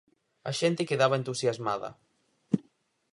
A xente quedaba entusiasmada.